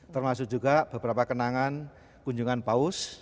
termasuk juga beberapa kenangan kunjungan paus